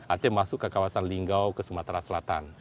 at masuk ke kawasan linggau ke sumatera selatan